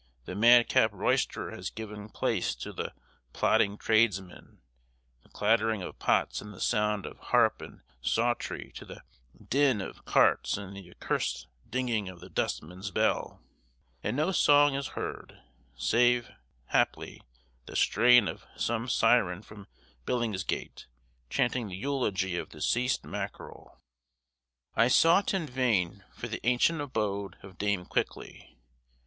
The madcap roisterer has given place to the plodding tradesman; the clattering of pots and the sound of "harpe and sawtrie," to the din of carts and the accurst dinging of the dustman's bell; and no song is heard, save, haply, the strain of some syren from Billingsgate, chanting the eulogy of deceased mackerel. I sought, in vain, for the ancient abode of Dame Quickly.